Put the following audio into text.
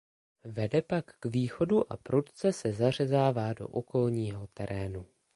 Vede pak k východu a prudce se zařezává do okolního terénu.